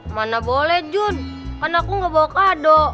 mana boleh jun kan aku gak bawa kado